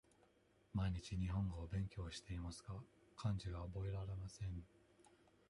毎日日本語を勉強していますが、漢字が覚えられません。